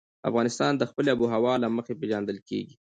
افغانستان د خپلې آب وهوا له مخې پېژندل کېږي.